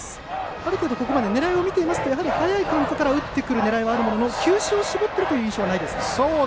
ある程度、ここまで狙いを見ていますと早いカウントから打ってくる狙いはあるものの球種を絞っているという印象はないですか。